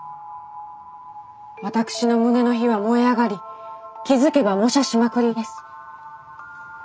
私の胸の火は燃え上がり気付けば模写しまくりです。